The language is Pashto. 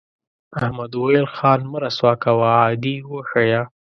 احمد وویل خان مه رسوا کوه عادي وښیه.